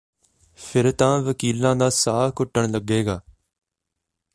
ਫਿਰ ਤਾਂ ਵਕੀਲਾਂ ਦਾ ਸਾਹ ਘੁੱਟਣ ਲਗੇਗਾ